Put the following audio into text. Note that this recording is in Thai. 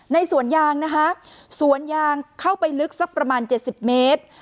สวนยางนะคะสวนยางเข้าไปลึกสักประมาณ๗๐เมตร